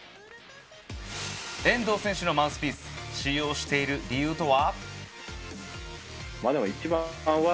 遠藤選手のマウスピース、使用している理由とは？